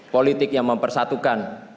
politik yang mempersatukan